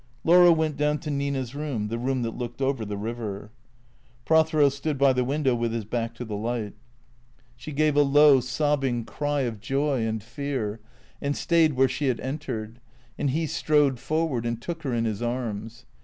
Laura went down to Nina's room, the room that looked over the river. Prothero stood by the window with his back to the light. 8(X) 310 THE CEEATOES She gave a low sobbing cry of joy and fear, and stayed where she had entered; and he strode forward and took her in his arms.